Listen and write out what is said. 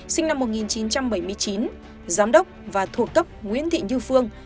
sinh năm một nghìn chín trăm bảy mươi chín giám đốc và thuộc cấp nguyễn thị như phương